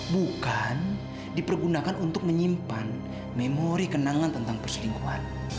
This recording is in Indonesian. bukan dipergunakan untuk menyimpan memori kenangan tentang perselingkuhan